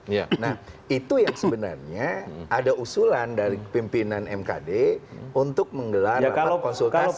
nah itu yang sebenarnya ada usulan dari pimpinan mkd untuk menggelar rapat konsultasi